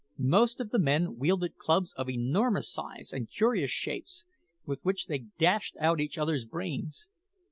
Most of the men wielded clubs of enormous size and curious shapes, with which they dashed out each other's brains.